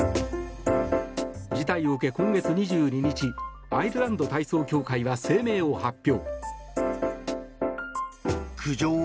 事態を受け、今月２２日アイルランド体操協会は声明を発表。